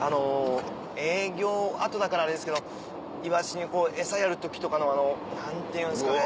営業後だからあれですけどイワシに餌やる時とかのあの何ていうんですかね。